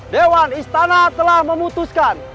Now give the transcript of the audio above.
dewan istana telah memutuskan